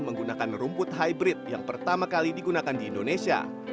menggunakan rumput hybrid yang pertama kali digunakan di indonesia